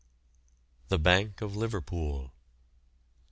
THE BANK OF LIVERPOOL.